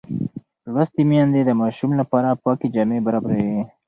لوستې میندې د ماشوم لپاره پاکې جامې برابروي.